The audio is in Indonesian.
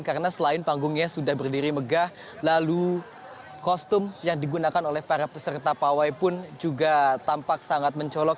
karena selain panggungnya sudah berdiri megah lalu kostum yang digunakan oleh para peserta pawai pun juga tampak sangat mencolok